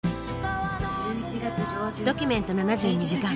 「ドキュメント７２時間」